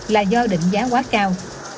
là do định giá quá cao